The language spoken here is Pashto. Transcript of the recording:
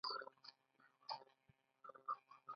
د جامو لوندوالی مې پر بدن احساساوه.